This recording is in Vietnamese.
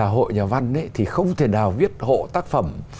hội nhà văn thì không thể nào viết hộ tác phẩm